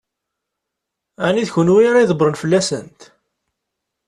Ɛni d kenwi ara ydebbṛen fell-asent?